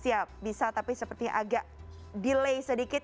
siap bisa tapi sepertinya agak delay sedikit